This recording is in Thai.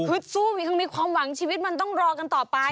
สู้มีความหวังชีวิตมันต้องรอกันต่อไป